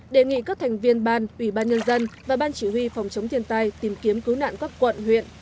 đề nghị các thành viên ban ủy ban nhân dân và ban chỉ huy phòng chống thiên tai tìm kiếm cứu nạn các quận huyện